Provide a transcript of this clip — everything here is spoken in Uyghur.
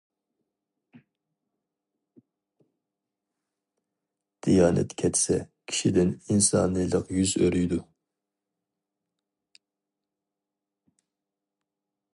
دىيانەت كەتسە، كىشىدىن ئىنسانىيلىق يۈز ئۆرۈيدۇ.